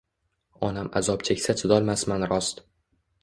Onam azob cheksa chidolmasman rost